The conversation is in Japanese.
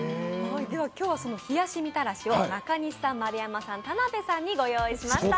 今日は、その冷やしみたらしを中西さん、丸山さん、田辺さんにご用意しました。